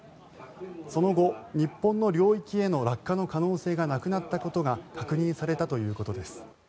その後、日本の領域への落下の可能性がなくなったことが確認されたということです。